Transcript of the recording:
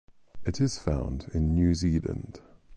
It is found in New Zealand.